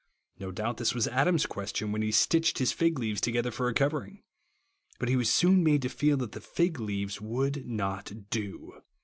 No doubt this was Adam's question when he stitched his fig leaves together for a covering. But he was soon made to feel that the fig leaves would not do.